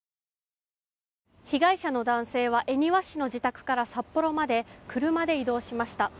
被害者の男性は恵庭市の自宅から札幌まで車で移動しました。